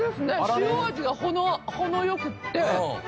塩味が程良くて。